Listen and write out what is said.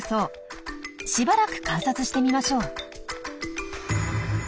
しばらく観察してみましょう。